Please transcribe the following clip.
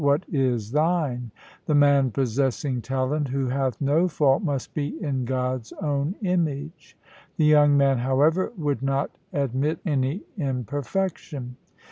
What is thine ? The man possessing talent who hath no fault must be in God's own image.' The young man, however, would not admit any imperfection.